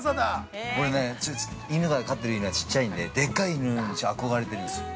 ◆俺ね、飼ってる犬がちっちゃいんででっかい犬に憧れてるんですよ。